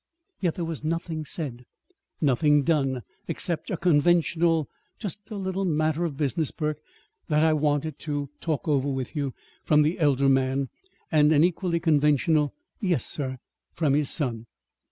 Yet there was nothing said, nothing done, except a conventional "Just a little matter of business, Burke, that I wanted to talk over with you," from the elder man; and an equally conventional "Yes, sir," from his son.